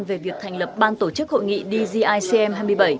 về việc thành lập ban tổ chức hội nghị dgicm hai mươi bảy